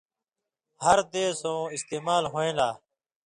ہر دیسؤں استعمال ہویں والا